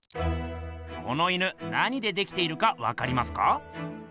この犬何でできているかわかりますか？